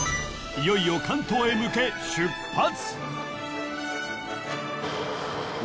［いよいよ関東へ向け出発］